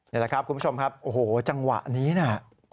นี่แหละครับคุณผู้ชมครับโอ้โหจังหวะนี้นะ